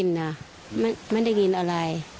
ใช่ไม่ได้กลิ่นอะไร